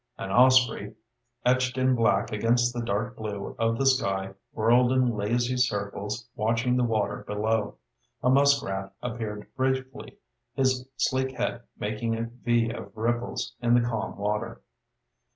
An osprey, etched in black against the dark blue of the sky, whirled in lazy circles watching the water below. A muskrat appeared briefly, his sleek head making a V of ripples in the calm water.